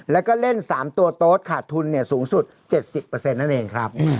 แล้วก็เล่น๓ตัวโต๊ดขาดทุนสูงสุด๗๐นั่นเองครับ